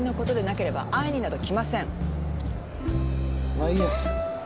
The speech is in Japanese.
まあいいや。